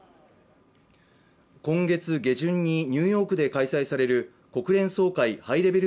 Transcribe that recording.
今月下旬にニューヨークで開催される国連総会ハイレベル